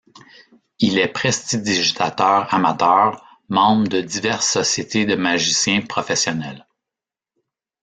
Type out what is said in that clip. Il est prestidigitateur amateur, membre de diverses sociétés de magiciens professionnels.